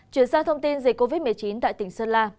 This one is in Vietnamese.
chuyển sang thông tin dịch covid một mươi chín tại tỉnh sơn la